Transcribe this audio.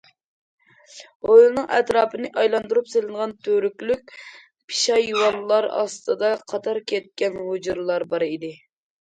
ھويلىنىڭ ئەتراپىنى ئايلاندۇرۇپ سېلىنغان تۈۋرۈكلۈك پېشايۋانلار ئاستىدا قاتار كەتكەن ھۇجرىلار بار ئىدى.